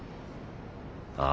あ？